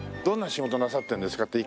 どんな仕事なさってるんですか？